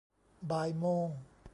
บ่ายโมง